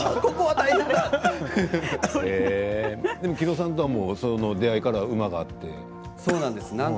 木戸さんとはその出会いから馬が合って。